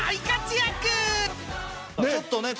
ちょっとね